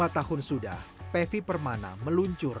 dua puluh lima tahun sudah pevi permana meluncur